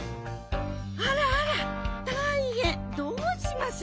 あらあらたいへんどうしましょ？